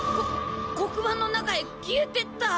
こ黒板の中へ消えてった。